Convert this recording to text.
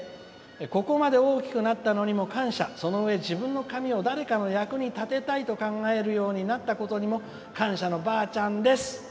ここまで大きくなったのにも感謝、そのうえ、自分の髪を誰かの役に立てたいと考えるようになったことにも感謝のばあちゃんです。